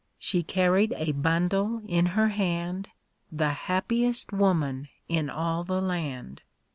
She carried a bundle in her hand, The happiest woman in all the land.